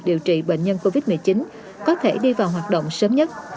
điều trị bệnh nhân covid một mươi chín có thể đi vào hoạt động sớm nhất